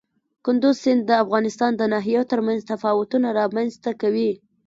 کندز سیند د افغانستان د ناحیو ترمنځ تفاوتونه رامنځ ته کوي.